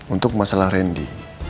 untuk masalah randy